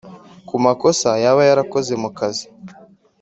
ku makosa yaba yarakoze mu kazi